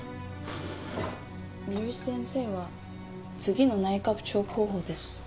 三好先生は次の内科部長候補です。